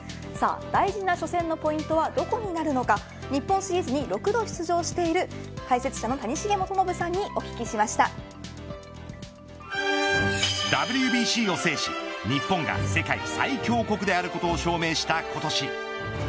大事な初戦のポイントはどこになるのか日本シリーズに６度出場している解説者の谷繁元信さんにＷＢＣを制し日本が世界最強国であることを証明した今年。